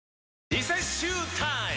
リセッシュータイム！